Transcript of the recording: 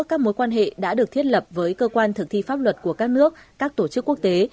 các mối quan hệ đã được thiết lập với cơ quan thực thi pháp luật của các nước các tổ chức quốc tế